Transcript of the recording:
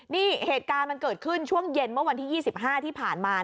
นี่เหตุการณ์มันเกิดขึ้นช่วงเย็นเมื่อวันที่๒๕ที่ผ่านมา